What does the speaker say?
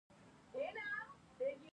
د پشه یانو سیمې په لغمان کې دي